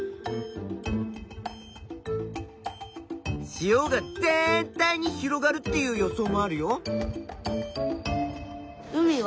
塩が全体に広がるっていう予想もあるよ。